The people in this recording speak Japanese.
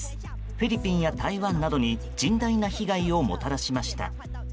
フィリピンや台湾などに甚大な被害をもたらしました。